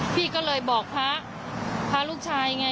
พี่ก็เลยบอกพระพระลูกชายไง